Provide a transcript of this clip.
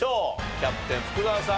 キャプテン福澤さん